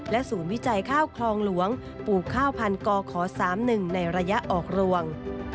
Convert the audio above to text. ศูนย์วิจัยข้าวคลองหลวงปลูกข้าวพันกข๓๑ในระยะออกรวง